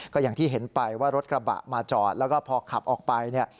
ก็อย่างที่เห็นไปว่ารถกระบะมาจอดแล้วก็พอขับออกไปเนี่ย